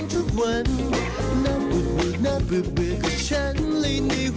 เนื้อก็เด็ดเหมือนกันอันนี้